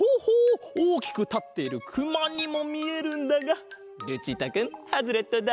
おおきくたっているくまにもみえるんだがルチータくんハズレットだ！